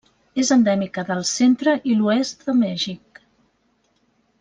És endèmica del centre i l'oest de Mèxic.